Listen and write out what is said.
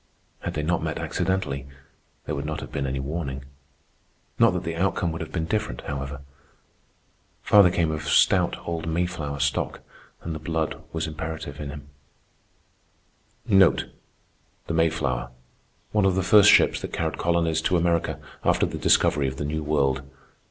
Had they not met accidentally, there would not have been any warning. Not that the outcome would have been different, however. Father came of stout old Mayflower stock, and the blood was imperative in him. One of the first ships that carried colonies to America, after the discovery of the New World.